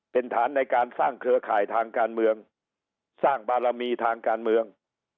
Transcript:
เป็นฐานในการสร้างเครือข่ายทางการเมืองสร้างบารมีทางการเมือง